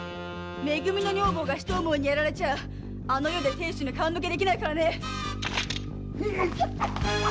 め組の女房がひと思いにやられちゃあの世で亭主に顔向けできないからね！